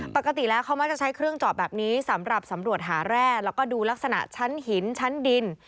ปกติแล้วเขามักจะใช้เครื่องเจาะแบบนี้สำหรับสำรวจหาแร่แล้วก็ดูลักษณะชั้นหินชั้นดิน